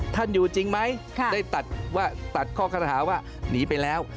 อยู่จริงไหมได้ตัดข้อคารหาว่าหนีไปแล้ว